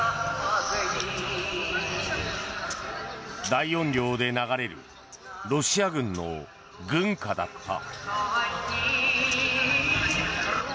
大音量で流れるロシア軍の軍歌だった。